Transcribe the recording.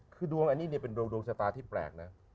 คือดวงอันนี้เนี่ยเป็นดวงสตาร์ที่แปลกนะ